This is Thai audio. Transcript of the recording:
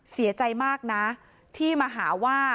เสียใจมากนะที่มาหาว่า